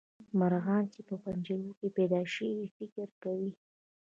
مرغان چې په پنجرو کې پیدا شي فکر کوي.